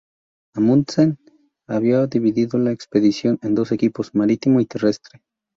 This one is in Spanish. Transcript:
Amundsen había dividido la expedición en dos equipos, marítimo y terrestre.